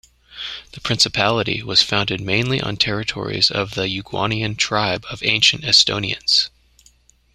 The principality was founded mainly on territories of the Ugaunian tribe of ancient Estonians.